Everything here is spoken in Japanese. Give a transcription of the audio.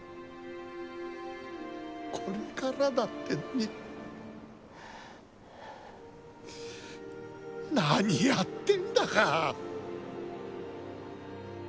これからだってのに何やってんだか。